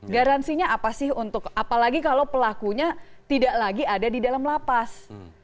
garansinya apa sih untuk apalagi kalau pelakunya tidak lagi ada di dalam lapas